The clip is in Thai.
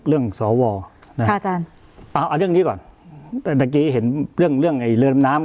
เรื่องสวค่ะอาจารย์เอาเรื่องนี้ก่อนแต่เมื่อกี้เห็นเรื่องเรื่องไอ้เรือน้ำน้ำ